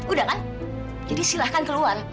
udah kan jadi silahkan keluar